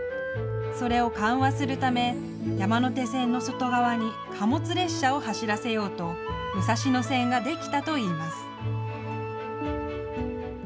それを緩和するため山手線の外側に貨物列車を走らせようと武蔵野線ができたといいます。